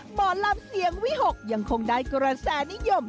หมอลำเสียงวิหกยังคงได้กระแสนิยม